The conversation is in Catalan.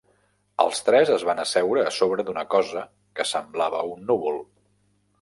Els tres es van asseure a sobre d'una cosa que semblava un núvol.